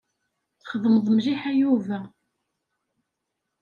Txedmeḍ mliḥ a Yuba.